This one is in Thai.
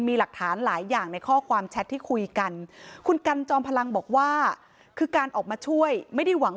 มีหลักฐานหลายอย่างในข้อความแชทที่คุยกัน